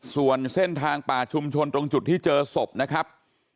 ส่วนเส้นทางป่าชุมชนตรงจุดที่เจอศพนะครับ